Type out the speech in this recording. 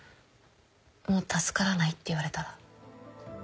「もう助からないって言われたら」